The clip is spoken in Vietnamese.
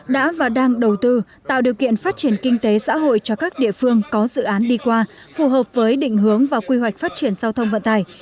đã và đang đầu tư tạo điều kiện phát triển kinh tế xã hội cho các địa phương có dự án đi qua phù hợp với định hướng và quy hoạch phát triển giao thông vận tải